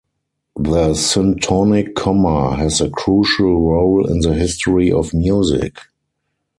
The syntonic comma has a crucial role in the history of music.